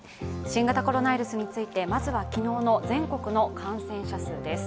新型コロナウイルスについてまずは昨日の全国の感染者数です。